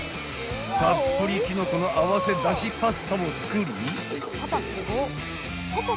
［たっぷりきのこの合わせ出汁パスタも作り］